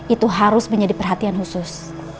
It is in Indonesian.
itu harus menjadi perhatian khusus